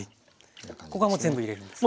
もう全部入れるんですね。